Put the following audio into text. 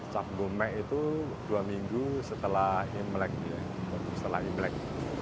cap ngumek itu dua minggu setelah imlek